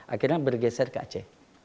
akhirnya bergeser ke aceh